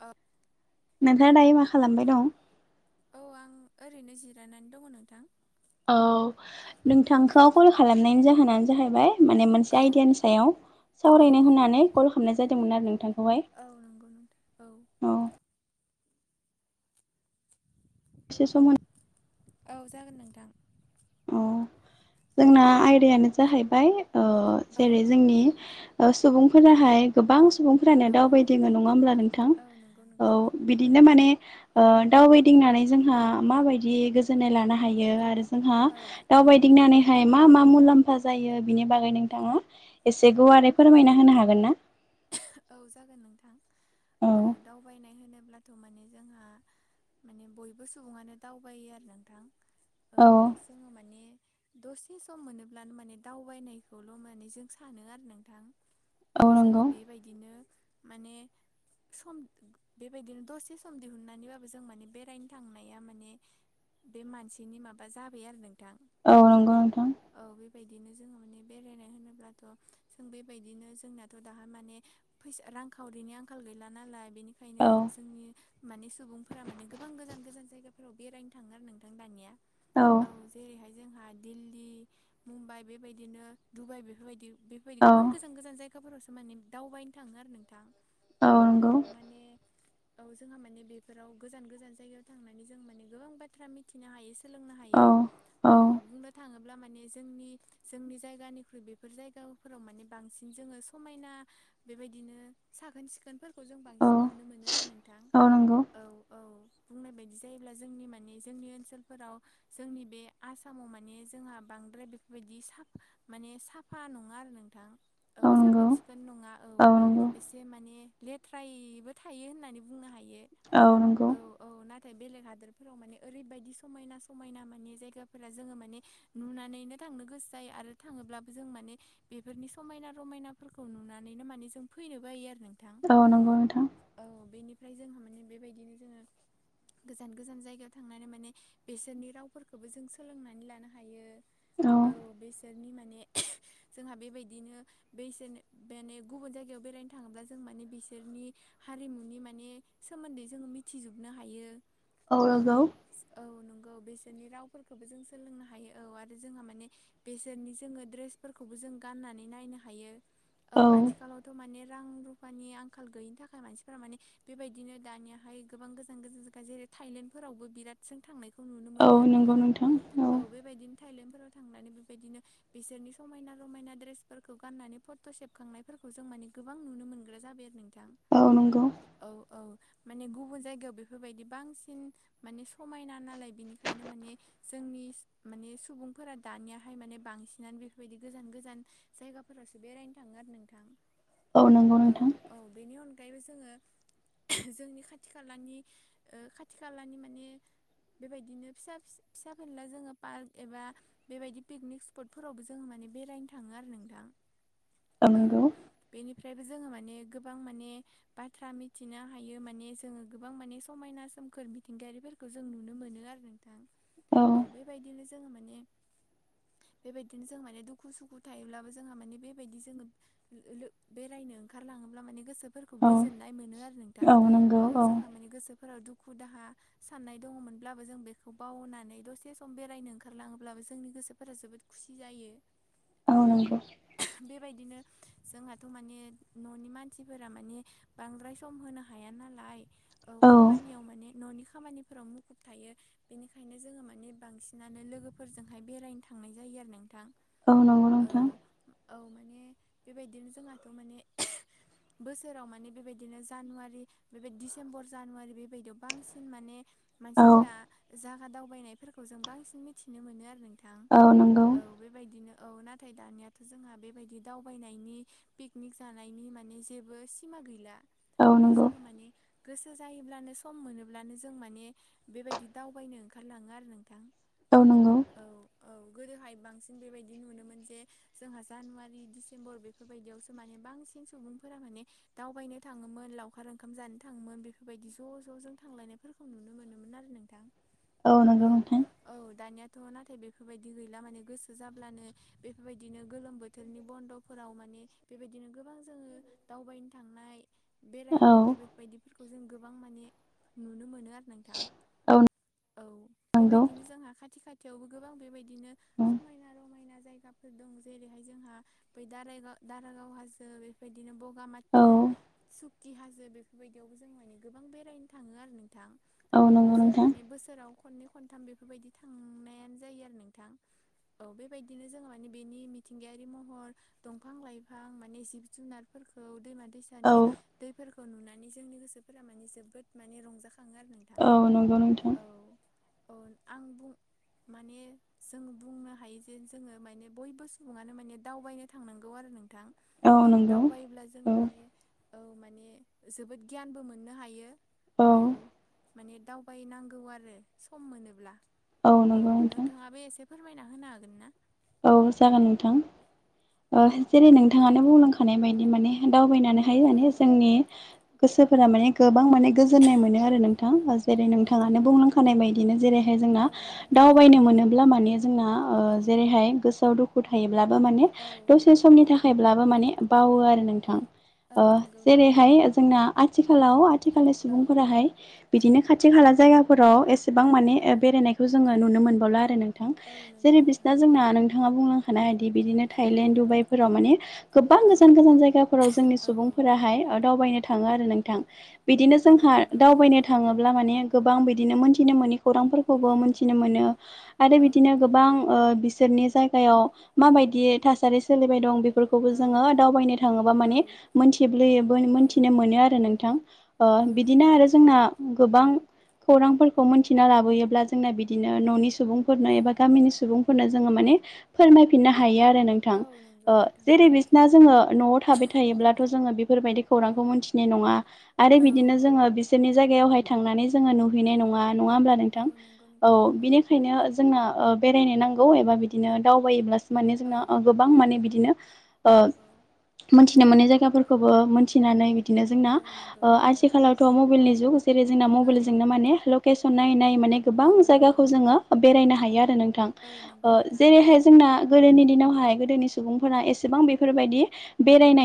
अ नोंथाङा दायो मा खालामबाय दं? औ आं ओरैनो जिरायनानै दङ नोंथां। औ औ नोंथांखौ कल खालामनायनि जाहोनानो जाहैबाय माने मोनसे औ आइडियानि सायाव औ सावरायनो नंगौ होननानै कल खालामनाय जादोंमोन आरो नोंथांखौहाय। औ नंगौ नोंथां औ एसे सम होनो औ जागोन नोंथां। औ जोंना आइदायानो जाहैबाय ओ औ जेरै जोंनि ओ सुबुंफोराहाय गोबां सुबुंफोरानो औ औ दावबायदिङो नङा होमब्ला नोंथां? औ नंगौ औ नोंथां। बिदिनो माने ओ दावबायदिंनानै जोंहा माबायदि गोजोन्नाय लानो हायो आरो जोंहा औ दाावबायायदिंनानै नाथाय मा मा मुलाम्फा जायो बिनि बागै नोंथाङा एसे गुवारै फोरमायना होनो हागोन ना? औ जागोन नोंथां औ दावबायनाय होनोब्ला थ माने जोंहा माने बयबो सुबुङानो दावबायो आरो नोंथां। औ जोङो माने दसे सम मोनोब्लानो माने दावबायनायखौल' माने जों सानो आरो नोंथां। औ जोङो बेबायदिनो माने सम बेबायदिनो दसे सम दिहुननानैबाबो जों माने बेरायनो थांनाया माने बे मानसिनि माबा जाबाय आरो नोंथां। औ नंगौ नोंथां औ बेबायदिनो जोङो माने बेरायनाय होनोब्लाथ जों बेबायद बिदिनो जोंनाथ दा माने फैसा रांखावरिनि आंखाल गैला नालाय बिनि खायनो औ जोंनि माने सुबुंफोरा माने गोबां गोजान गोजान जायगाफोराव बेरायनो थाङो आरो नोंथां दानिया। औ जेरैहाय जोंहा दिल्ली, मुम्बाइ बेबायदिनो दुबाइ बेफोरबायदि बेफोरबायदि औ गोबां गोजान गोजान जायगाफोरावसो माने दावबायनो थाङो आरो नोंथां। औ माने औ जोंहा माने बेफोराव गोजान गोजान जायगायाव थांनानै जों माने गोबां बाथ्रा मि थिनो हायो सोलोंनो औ हायो औ बुंनो थाङो ब्ला माने जोंनि जोंनि जायगानख्रुइ बेफोर जायगा फोराव माने बांसिन जोङो समायना बेबायदिनो साखोन सिखोनफोर खौ जों औ बांसिन नुनो मोनो आरो नोंथां। औ नंगौ औ औ बुंनाय बायदि जायोब्ला जोंनि माने जोंनि ओनसोलफोराव जोंनि बे आसामाव माने जोंहा बांद्राय बेफोरबायदि साफा माने साफा नङा आरो नोंथां औ साखोन-सिखोन नङा औ नंगौ। बे माने लेथ्रायैबो थायो होननानै बुंनो हायो। औ नंगौ। औ औ नाथाय बेलेग हादोरफोराव माने ओरैबायदि समायना समायना माने जायगाफोरा जोङो माने नुनानैनो थांनो गोसो जायो आरो थाङोब्लाबो जों माने बेफोरनि समायना रमायनाफोरखौ नुनानैनो माने जों फैनो बायो आरो नोंथां। औ नंगौ नोंथां। औ बेनिफ्राय जोंहा माने बेबायदिनो जोङो गोजान गोजान जायगायाव थांनानै माने बेसोरनि रावफोरखौबो जों सोलोंनानै लानो हायो। औ बेसोरनि माने जोंहा बेबायद दिनो बेसोन बेनो गुबुन जायगायाव बेरायनो थाङोब्ला जों माने बिसोरनि हारिमुनि माने सोमोन्दै जोङो मिथिजुबनो हायो औ। [unintelligible] औ नंगौ बिसोरनि रावफोरखौबो जों सोलोंनो हायो औ आरो जोंहा माने बेसोरनि जोङो ड्रेसफोरखौबो जों गाननानै नायनो हायो औ आथिखालाव थ' माने रां रुफानि आंखाल गैयिनि थाखाय मानसिफोरा माने बेबायदिनो दानियाहाय गोबां गोजान गोजान जायगा जेरै थाइलेण्डफोरावबो बिरादजों थांनायखौ नुनो मोनो आरो नोंथां औ बेबायदिन थाइलेण्डफोराव थांनानै बेबायदिनो बिसोरनि समायना रमायना ड्रेस फोरखौ गाननानै फट' सेबखांनायफोरखौ जों माने गोबां नुनो मोनग्रा जाबाय आरो नोंथां। औ नंगौ। औ औ माने गुबुन जायगायाव बेफोरबायदि बांसिन माने समायना नालाय बेनिखायनो माने जोंनिस माने सुबुंफोरा दानियाहाय माने बांसिनानो बेफोरबायदि गोजान गोजान जायगाफोरासो बेरायनो थाङो आरो नोंथां। औ नंगौ नोंथां। औ बेनि अनगायैबो जोङो जोंनि खाथि खालानि ओ खाथि खालानि माने बेबायदिनो फिसा फिस फिसा फेनला जोङो पार्क एबा बेबायदि पिकनिक स्पटफोरावबो जोङो माने बेरायनो थाङो आरो नोंथां औ। बेनिफ्रायबो जोङो माने गोबां माने बाथ्रा मिनथिनो हायो माने जोङो गोबां माने समायना सोमखोर मिथिंगायारिफोरखौ जों नुनो मोनो आरो नों थां औ बेबायदिनो जोङो माने बेबायदिनो जों माने दुखु सुखु थायोब्ला बो जोङो माने बेबायदि [unintelligible] बेरायनो ओंखार लाङोब्ला माने गोसो फोरखौ औ गोजोननाय मोनो आरो नोंथां औ नंगौ औ जोंहा माने गोसोफोराव दुखु दाहा साननाय दङ'मोनब्लाबो जों बेखौ बावनानै दसे सम बेरायनो ओंखारलाङोब्लाबो जोंनि गोसोफोरा जोबोद खुसि जायो। औ नंगौ। बेबायदिनो जोंहाथ' माने न'नि मानसिफोरा माने बांद्राय सम होनो हाया नालाय औ खामानियाव माने न'नि खामानिफोराव मुखुब थायो। बेनिखायनो जोङो माने बांसिनानो लोगोफोरजोंहाय बेरायनो थांनाय जायो आरो नोंथां। औ नंगौ। औ नोंथां औ माने बेबायदिनो जोंहाथ' माने [unintelligible] बोसोराव माने बेबायदिनो जानुवारि बेबे डिसेम्बर जानुवारि बेबायदियाव बांसिन माने औ मानसिफोरा जागा दावबायनायफोरखौ जों बांसिन मिथिनो मोनो आरो नों थां औ नंगौ औ बेबायदिनो औ ना थाय दानियाथ' जोंहा बेबायदि दावबायनायनि पिकनिक जानायनि माने जेबो सिमा गैला औ जोङो माने गोसो जायोब्लानो सम मोनोब्लानो जों माने बेबायदि दावबायनो ओंखारलाङो आरो नोंथां। औ नंगौ। औ औ गोदोहाय बांसिन बेबायदि नुनो मोन जे जोंहा जानुवारि डिसेम्बर बेफोरबायदियावसो माने बांसिन सुबुंफोरा माने दावबायनो थाङोमोन लावखार ओंखाम जानो थाङोमोन बेफोरबायदि ज' ज' जों थांलायनाय फोरखौ नुनो मोनोमोन आरो नोंथां। नंगौ औ नोंथां औ दानियाथ' नाथाय बेफोरबायदि गैला माने गोसो जाब्लानो बेफोरबायदिनो गोलोम बोथोरनि बन्द'फोराव माने बेबायदिनो गोबां जोङो दावबायनो थांनाय बेरायनो औ थांनाय बे बायदिफोरखौ जों गोबां माने नुनो मोनो आरोनाखि औ नंगौ बेबायदिनो जोंहा खाथि खाथि थेवबो गोबां बेबायदिनो औ समायना रमायना जायगा फोर दं जेरैहाय जोंहा बै दारायगाव दारागाव हाजो बेफोरबायदिनो ब बगामाथि सुकि हाजो बेफोरबायदियावबो जों माने गोबां बेरायनो थाङो आरो नोंथां। औ नंगौ जोङो नोंथां माने बोसोराव खननै ख खथाम बेफोरबायदि थांनायानो जायो आरो नोंथां। औ बेबायदिनो जों माने बेनि मिथिंगायारि महर दंफां -लाइफां माने जिब जुनारफोरखौ दैमा दैसा औ दानि दैफोरखौ नुनानै जोंनि गोसोफोरा माने जोबोद माने रंजाखाङो आरो नों थां औ नंगौ नोंथां औ। औ आं बुं माने जों बुंनो हायो जे जोङो माने बयबो सुबुङानो माने दावबायनो थांनांगौ आरो नोंथां औ दावबायोब्ला जोङो औ माने औ माने जोबोद गियानबो मोननो हायो औ। माने दावबायनांगौ आरो सम मोनोब्ला। औ नंगौ नोंथां नोंथाङाबो एसे फोरमायना होनो हागोनना? औ जागोन नोंथां। औ ओ जेरै नोंथाङानो बुंलांखानाय बायदि माने दावबायनानै हायो औ माने औ जोंनि गोसोफोरा माने गोबां माने गोजोननाय मोनो औ आरो नोंथां। जेरै औ नोंथाङानो नंगौ बुंलांखानाय बायदिनो जेरैहाय जोंना औ नंगौ दावबायनो मोनोब्ला माने जोंना ओ औ जेरैहाय गोसोआव दुखु थायोब्लाबो माने औ दसे समनि थाखायब्लाबो माने बावो आरो नों थां औ ओ नंगौ नोंथां जेरैहाय जोंना आथिखालाव आथिखालनि औ सुबुंफोराहाय बिदिनो खाथि खाला जायगाफोराव एस सेबां औ माने ओ नंगौ बेरायनायखौ जोङो नुनो मोनबावला आरो नोंथां। औ नंगौ जेरै नोंथां बिसिना जोंना बिथाङा बुंलांखानायदि बिदिनो औ थाइलेण्ड दुबाइफोराव माने गोबां औ गोजान गोजान जायगाफोराव जोंनि औ औ सुबुंफोराहाय दावबायनो थाङो आरो नोंथां। बिदिनो औ जोंहा नंगौ दावबायनो थाङोब्ला माने गोबां बिदिनो मोनथिनो मोननि खौरांफोरखौ खौबो औ मिथिनो मोनो आरो औ बिदिनो नंगौ गोबां ओ बिसोरनि जायगायाव माबादियै थासारि सोलिबाय दं। बे फोरखौबो औ जोङो दावबायनो थाङोबा औ माने मोनथिब्लोयो औ मोनथिनो मोनो आरो नोंथां। ओ औ नंगौ बिदिनो आरो नोंथां जोंना गोबां खौरांफोरखौ मोनथिना लाबोयोब्ला जोंना बिदिनो न'नि सुबुं फोरनो औ एबा गामिनि सुबुंफोरनो जोङो माने फोरमायफिननो हायो आरो नों थां। औ नंगौ अह नोंथां जेरै नंगौ बिसना जोङो न'आव थाबाय औ थायोब्लाथ' जोङो बेफोरबायदि खौरांखौ मोनथि नि नङा आरो औ बिदिनो जोङो बिसोरनि जायगायावहाय थांनानै जोङो नुहैनाय औ नङा, नङा हब्ला औ नोंथां? नंगौ औ नोंथां नंगौ बेनिखायनो जोंना ओ बेरायनो नांगौ एबा बिदिनो दावबायोब्लासो माने औ जोंना गोबां माने बिदिनो ओ औ मोनथिनो मोनै जायगाफोरखौबो मोनथिनानै बिदिनो जोंना औ नंगौ ओ नोंथां आथिखालाव फथ' मबाइलनि जुग जेरै जोंना औ मबाइलजोंनो माने लकेसन नायै -नायै माने गोबां औ नंगौ जायगाखौ जोङो बेरायनो हायो आरो नोंथां औ नंगौ ओ नोंथां बेहाय जोंना गोदोनि दिनावहाय गोदोनि सुबुंफोरा एसेबां बेफोरबायदि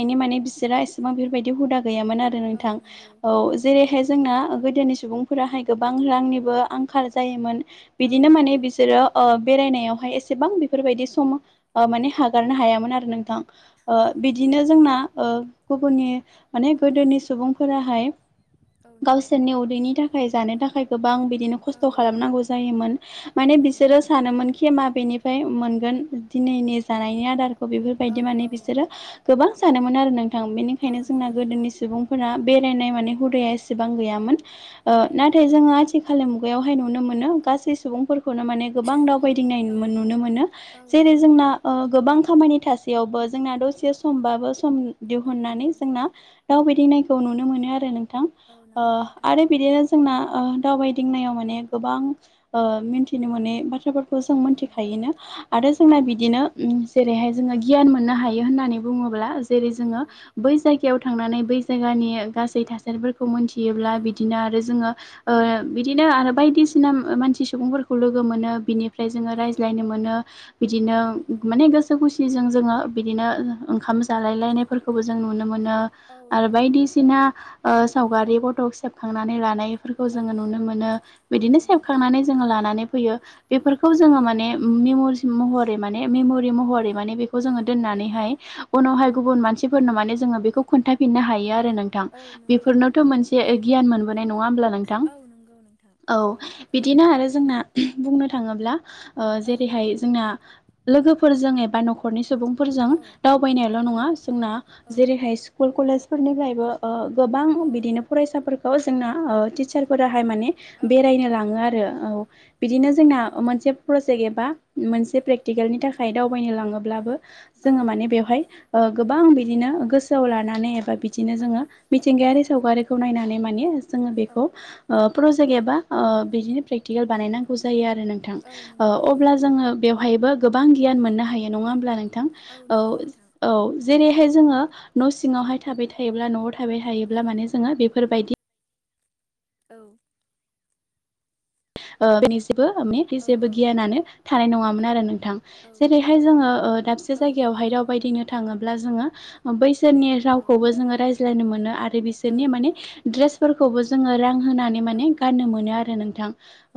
औ माने बिसोरा एसेबां बेफोरबायदि हुदा गैयामोन आरो औ नोंथां नंगौ औ नंगौ नोंथां जेरैहाय जोंना गोदोनि सुबुं फोराहाय गोबां रांनिबो आंखाल जायोमोन औ बिदिनो माने नंगौ बिसोरो ओ बेरायनायावहाय एसेबां बेफोरबायदि सम माने हगारनो हायामोन आरो नोंथां ओ औ नंगौ बिदिनो जोंना ओ गुबुननि माने गोदोनि सुबुंफोराहाय औ नंगौ गावसोरनि उदैनि थाखाय जानो थाखाय गोबां बिदिनो खस्थ' औ खालामनांगौ जायोमोन। औ माने नंगौ बिसोरो नोंथां सानोमोन केेमा बेनिफ्राय मोनगोन दिनैनि जानायनि आदारखौ औ बेफोरबायदि माने औ बिसोरो गोबां जादोंमोन आरो नोंथां औ बेनिखायनो जोंना नंगौ नोंथां गोदोनि सुबुंफोरा बेरायनाय माने हुदाया एस एसेबां औ गैयामोन। ओ औ नाथाय जोंङो आथिखालनि मुगायावहाय नुनो मोनो गासै सुबुंफोर खौनो माने गोबां दावबायदिंनाय औ नुनो मोनो। औ जेरै नंगौ जोंना नोंथां ओ गोबां खामानि थासेयावबो जोंना दसे समबाबो सम औ दिहुननानै नंगौ जोंना दाउ बिदिंनायखौ नुनो मोनो आरो नोंथां औ नंगौ नोंथां आरो बिदिनो जोंना ओ दावबायदिंनायाव माने गोबां ओ मिथिनो मोनै बाथ्राफोरखौ जों औ मिथि नंगौ थायोनो आरो औ जोंना नंगौ नोंथां बिदिनो जेरैहाय जोङो गियान मोननो हायो होननानै बुङोब्ला जेरै औ जोङो बै जायगायाव थांनानै बै जायगानि गासै थासारिफोरखौ मोनथि औ थेयोब्ला बिदिनो आरो जोङो [unintelligible] ओ बिदिनो आरो बायदिसिना मानसि सुबुंफोरखौ लोगो मोनो बिनिफ्राय जोङो औ रायज्लाय मोनो बिदिनो औ नंगौ माने गोसो खुसिजों जोङो बिदिनो ओंखाम जानाय जालाय लायनायफोरखौबो जों नुनो मोनो औ आरो नंगौ बायदिसिना सावगारि फथ' सेबखांनानै लानायफोरखौ औ जोङो नुनो मोनो औ बिदिनो नंगौ सेबखांनानै जोङो लानानै फैयो बेफोरखौ औ जोङो नंगौ माने मै म मेमि महै म बेखौ औ ज दनानैहाय [unintelligible] उनावहाय गुबुन मानसिफोरनो माने जोङो बेखौ खोन्थाफिननो हायो आरो नोंथां थां औ नंगौ बेफोरनोथ' नोंथां मोनसे गियान मोनबोनाय नङा होनब्ला नोंथां औ नंगौ नोंथां औ बिदिनो आरो जोंना बुंनो थाङोब्ला ओ औ जेरैहाय जोंना लोगोफोरजों एबा न'खर न'खरनि सुबुंफोरजों औ दावबायनायाल' नङा जोंना औ जेरैहाय स्कुल कलेज फोरनिफ्रायबो गोबां बिदिनो औ फरायसाफोरखौ जोंना टिचारफोराहाय माने औ बेरायनो लाङो आरो औ बिदिनो जोंना नंगौ मोनसे प्रजेक एबा मोनसे प्रेक्टिकेलनि थाखाय दावबायनो लाङोब्लाबो औ जोङो माने नंगौ बेवहाय गोबां बिदिनो गोसोआव लानानै एबा बिदिनो औ जोङो मिथिंगायारि सावगारिखौ नायनानै माने जोङो औ बेखौ प्रजेक एबा ओ बिदिनो प्रेकटिकेल बानायनांगौ जायो आरो नोंथां औ नंगौ नोंथां जों बेवहायबो गोबां गियान मोननो हायो नङा होनब्ला नोंथां औ नंगौ नोंथां औ जेरैहाय जोङो न' सिङावहाय थाबाय थायोब्ला न'आव थाबाय थायोब्ला औ माने जोङो बेफोरबायदि औ ओ दिनैसिमबो औ जेबो गियानानो थानाय नङामोन आरो नोंथां औ जेरैहाय जोङो ओ दाबसे औ नंगौ जायगायावहाय नोंथां दावबायदिनो थाङोब्ला जोङो बैसोरनि औ रावखौबो जोङो रायज्लाय मोन आरो औ बिसोरनि माने बिसोरफोरखौबो जोङो रां होनानै औ माने गाननो मोनो आरो नोंथां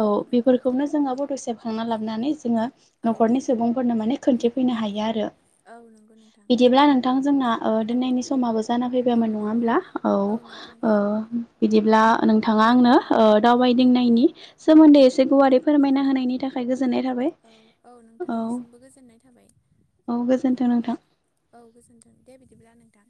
औ बेफोरखौनो जोङो बड' सेबखांना लाबोनानै जोङो औ न'खरनि सुबुंफोरनो माने खोन्थिफैनो हायो आरो औ नंगौ नोंथां बिदिब्ला नोंथां जोंना ओ औ दोननायनि समाबो जाना फैबायोन औ नङा नंगौ होमब्ला? औ नंगौ ओ नोंथां बिदिब्ला नोंथाङा औ आंनो ओ दावबायदिंनायनि सोमोन्दै एसे गुवारै फोरमायना होनायनि थाखाय गोजोननाय थाबाय। औ औ नोंथांनिसिमबो गोजोननाय थाबाय गोजोन्थों औ। नोंथां औ गोजोन्थों दे बिदिब्ला नोंथां।